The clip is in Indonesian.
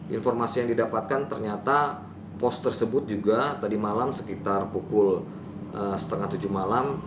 informasi yang didapatkan ternyata pos tersebut juga tadi malam sekitar pukul setengah tujuh malam